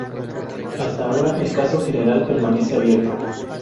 Hasta ahora el caso general permanece abierto.